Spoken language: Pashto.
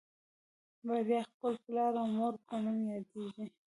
بريا خپل پلار او مور په نوم پېژني.